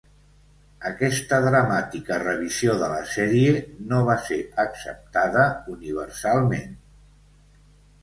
Aquesta dramàtica revisió de la sèrie no va ser acceptada universalment.